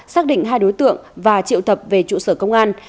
xác định hai đối tượng và triệu tập về trụ sở công an